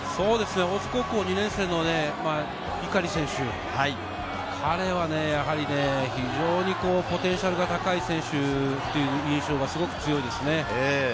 大津高校２年生の碇選手、彼も非常にポテンシャルが高い選手という印象がすごく強いですね。